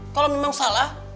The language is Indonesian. kalau memang salah